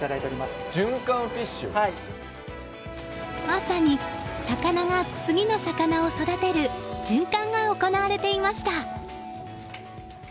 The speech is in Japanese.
まさに、魚が次の魚を育てる循環が行われていました。